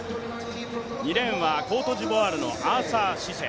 ２レーンはコートジボワールのアーサー・シセ。